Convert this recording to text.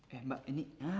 eh mbak ini